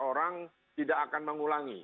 orang tidak akan mengulangi